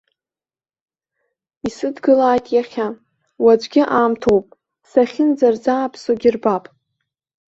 Исыдгылааит иахьа, уаҵәгьы аамҭоуп, сахьынӡарзааԥсогьы рбап!